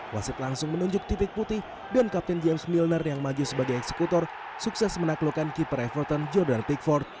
wasit langsung menunjuk titik putih dan kapten james milner yang maju sebagai eksekutor sukses menaklukkan keeper everton jordan pick ford